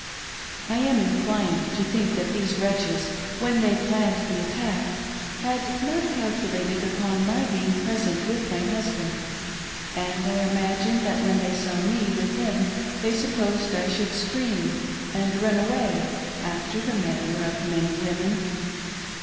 I am inclined to think that these wretches, when they planned the attack, had not calculated upon my being present with my husband, and I imagine that when they saw me with him they supposed I should scream and run away, after the manner of many women.